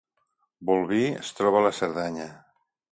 Bolvir es troba a la Cerdanya